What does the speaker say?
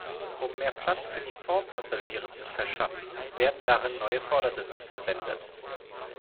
Um mehr Platz für die Fond-Passagiere zu verschaffen, werden darin neue Vordersitze verwendet.